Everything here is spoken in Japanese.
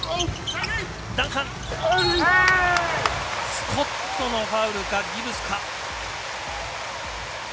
スコットのファウルかギブスか。